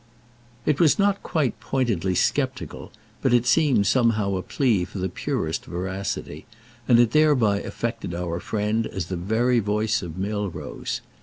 It was not quite pointedly sceptical, but it seemed somehow a plea for the purest veracity, and it thereby affected our friend as the very voice of Milrose.